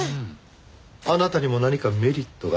あなたにも何かメリットが？